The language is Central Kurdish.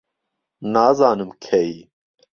نازانم کەی